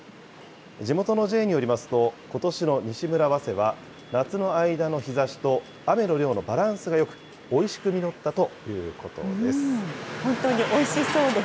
地元のＪＡによりますと、ことしの西村早生は夏の間の日ざしと、雨の量のバランスがよく、おいし本当においしそうです。